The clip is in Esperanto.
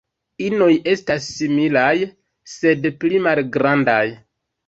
Inoj estas similaj, sed pli malgrandaj.